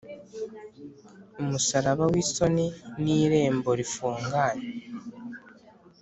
umusaraba w'isoni n' irembo rifunganye.